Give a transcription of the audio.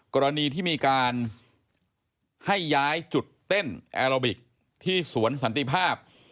กรณีที่มีการให้ย้ายจุดเต้นแอโรบิกที่สวนสันติภาพ